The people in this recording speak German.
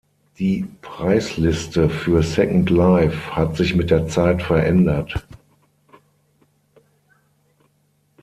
Die Preisliste für Second Life hat sich mit der Zeit verändert.